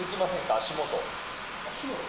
足元？